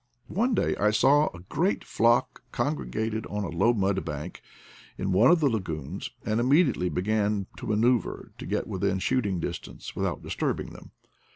One day I saw a great flock congregated on a low mud bank in one of the lagoons, and immedi ately began to maneuver to get within shooting distance without disturbing them.